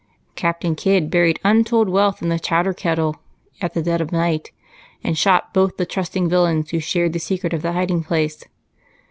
Captain Kidd buried untold wealth in the chowder kettle at the dead of night, and shot both the trusting villains who shared the secret of the hiding place.